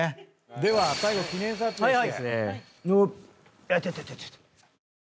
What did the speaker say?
では最後記念撮影して。